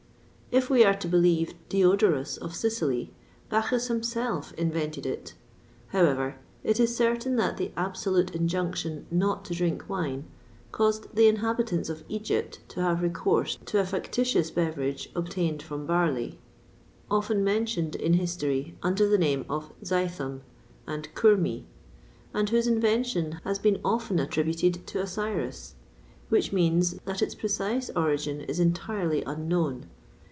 If we are to believe Diodorus of Sicily, Bacchus himself invented it.[XXVI 1] However, it is certain that the absolute injunction not to drink wine, caused the inhabitants of Egypt to have recourse to a factitious beverage obtained from barley,[XXVI 2] often mentioned in history under the name of zythum and curmi,[XXVI 3] and whose invention has been often attributed to Osiris which means, that its precise origin is entirely unknown.